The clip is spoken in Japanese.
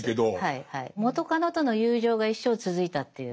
元カノとの友情が一生続いたっていう。